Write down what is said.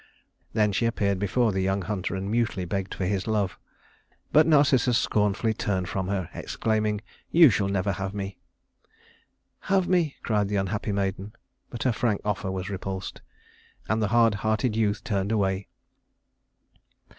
Then she appeared before the young hunter and mutely begged for his love; but Narcissus scornfully turned from her, exclaiming, "You shall never have me." "Have me," cried the unhappy maiden; but her frank offer was repulsed, and the hard hearted youth turned away.